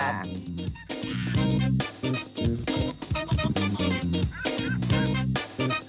สวัสดีครับ